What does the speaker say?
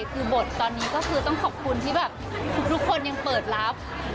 คือบทตอนนี้สอบคุณที่ทุกคนยังเปิดลับ